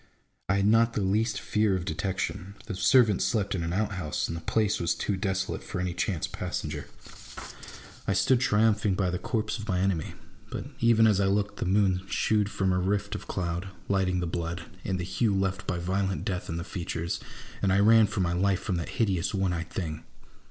I had not the least fear of detection : the servants slept in an out house, and the place was too desolate for any chance passenger. 70 A BOOK OF BARGAINS. I stood triumphing by the corpse of my enemy; but even as I looked the moon shewed from a rift of cloud, lighting the blood, and the hue left by violent death in the features, and I ran for my life from that hideous one eyed thing.